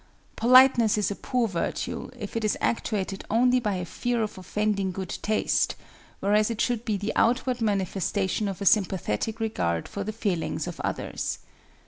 Politeness is a poor virtue, if it is actuated only by a fear of offending good taste, whereas it should be the outward manifestation of a sympathetic regard for the feelings of others.